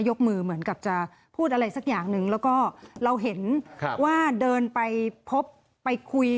ยกมือเหมือนกับจะพูดอะไรสักอย่างหนึ่งแล้วก็เราเห็นว่าเดินไปพบไปคุย